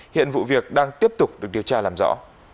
hiện vụ việc đang tiếp tục được điều tra làm rõ